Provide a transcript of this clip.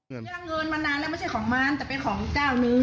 เรื่องเงินมานานแล้วไม่ใช่ของมันแต่เป็นของเจ้านึง